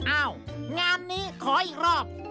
อ้าวงานนี้ขออีกรอบ